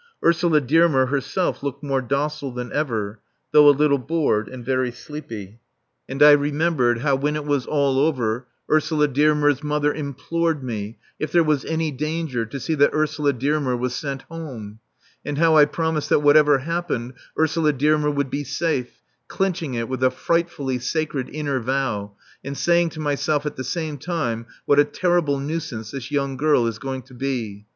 Ursula Dearmer herself looked more docile than ever, though a little bored, and very sleepy. And I remembered how when it was all over Ursula Dearmer's mother implored me, if there was any danger, to see that Ursula Dearmer was sent home, and how I promised that whatever happened Ursula Dearmer would be safe, clinching it with a frightfully sacred inner vow, and saying to myself at the same time what a terrible nuisance this young girl is going to be.